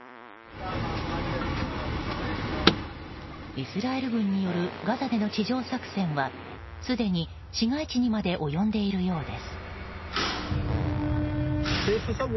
イスラエル軍によるガザでの地上作戦はすでに市街地にまで及んでいるようです。